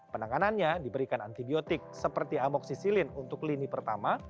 penanganannya diberikan antibiotik seperti amoksisilin untuk lini pertama